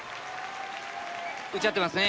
「打ち合ってますね」。